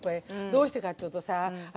どうしてかっていうとさ